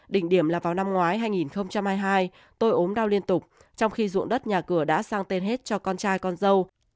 đỉnh điểm là vào năm ngoái hai nghìn hai mươi hai tôi ốm đau liên tục trong khi ruộng đất nhà cửa đã sang tên hết cho con trai con dâu